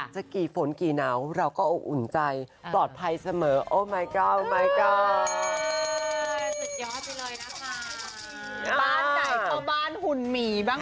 จะกลีฟ้นกลีน้ำเราก็อุ่นใจปลอดภัยเสมอ